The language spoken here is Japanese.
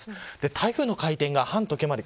台風の回転が反時計回り